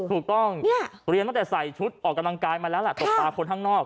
ถูกต้องเรียนตั้งแต่ใส่ชุดออกกำลังกายมาแล้วแหละตบตาคนข้างนอก